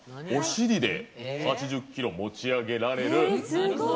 お尻で８０キロ持ち上げられる。